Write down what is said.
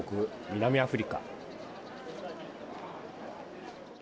南アフリカ。